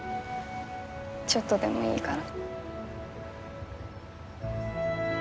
ちょっとでもいいから。